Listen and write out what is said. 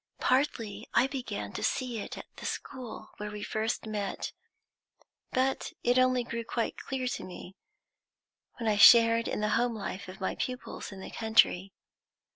Partly I began to see it at the school where we first met; but it only grew quite clear to me when I shared in the home life of my pupils in the country.